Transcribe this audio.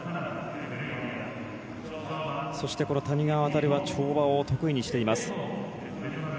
そして、この谷川航は跳馬を得意にしています。